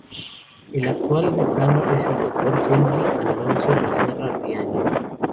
Su actual decano es el Dr. Henry Alfonso Becerra Riaño.